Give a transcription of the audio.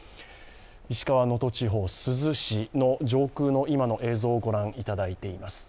石川・能登地方珠洲市の上空の今の映像をご覧いただいています。